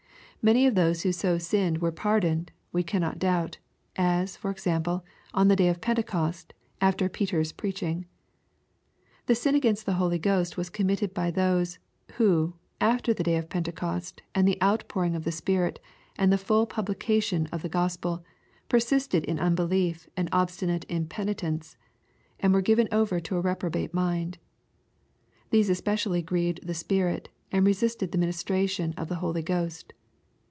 Many of those who so sinned were pardoned, we cannot doubt ; as, for example, on the day of Pentecost, after Peter's preaching. — ^The sin against the Holy Ghost was committed by those, who, after the day of Pentecost, and the outpouring of the Spirit, and the full publication of tlie Gospel, persisted in unbelief and obstinate impenitence, and were flven over to a reprobate mind. These especially grieved the pint, and resisted the ministration of the Holy Ghost.